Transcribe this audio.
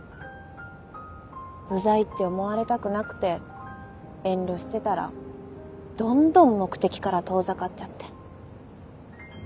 ウザいって思われたくなくて遠慮してたらどんどん目的から遠ざかっちゃって。